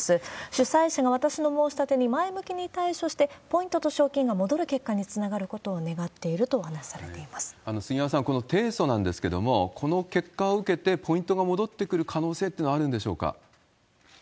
主催者が私の申し立てに前向きに対処して、ポイントと賞金が戻る結果につながることを願っているとお話しさ杉山さん、この提訴なんですけれども、この結果を受けて、ポイントが戻ってくる可能性というのはあるんでしょうか？